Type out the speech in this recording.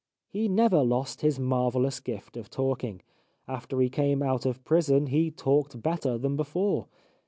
He never lost his marvellous gift of talking ; after he came out of prison he talked better than before.